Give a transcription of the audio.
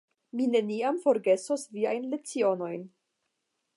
Mi neniam forgesos viajn lecionojn.